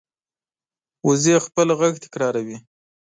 وزې خپل غږ تکراروي